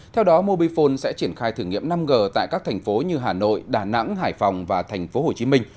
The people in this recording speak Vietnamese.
theo đó mobifone sẽ triển khai thử nghiệm năm g tại các thành phố như hà nội đà nẵng hải phòng và thành phố hồ chí minh